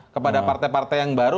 kepada partai partai yang baru